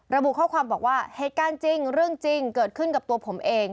ระบุข้อความบอกว่าเหตุการณ์จริงเรื่องจริงเกิดขึ้นกับตัวผมเอง